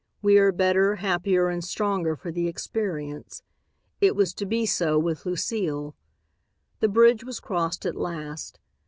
We are better, happier and stronger for the experience. It was to be so with Lucile. The bridge was crossed at last.